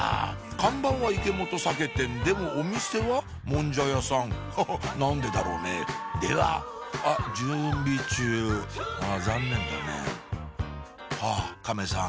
看板は「池本酒店」でもお店はもんじゃ屋さんハハっ何でだろうねではあっ準備中あ残念だねあっ亀さん